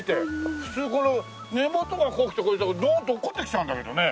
普通この根元がこう来てこれだからドーンと落っこってきちゃうんだけどね。